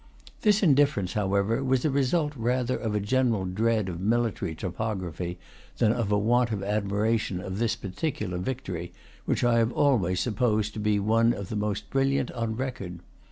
This indifference, however, was a result rather of a general dread of military topography than of a want of admiration of this particular victory, which I have always supposed to be one of the most brilliant on record.